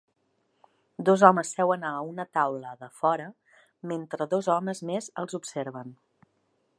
Dos homes seuen a una taula de fora mentre dos homes més els observen.